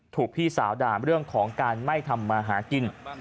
ถูกพี่สาวด่าเรื่องของการไม่ทำมาหากิน